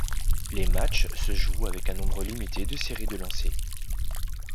Les matchs se jouent avec un nombre limité de séries de lancers.